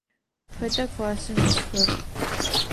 Хэта классым исхэр?